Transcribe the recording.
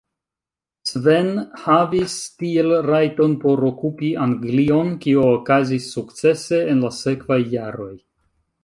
Sven havis tiel rajton por okupi Anglion, kio okazis sukcese en la sekvaj jaroj.